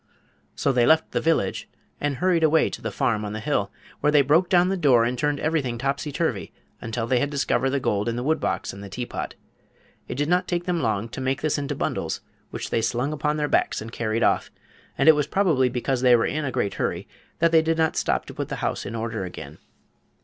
So they left the village and hurried away to the farm on the hill, where they broke down the door and turned everything topsy turvy until they had discovered the gold in the wood box and the teapot. It did not take them long to make this into bundles, which they slung upon their backs and carried off, and it was probably because they were in a great hurry that they did not stop to put the house in order again.